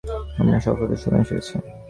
আমার সফলতার সময় এসে গেছে।